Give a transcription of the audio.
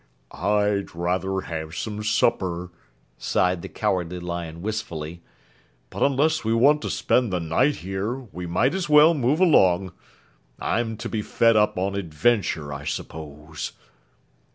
"I'd rather have some supper," sighed the Cowardly Lion wistfully, "but unless we want to spend the night here, we might as well move along. I'm to be fed up on adventure, I suppose."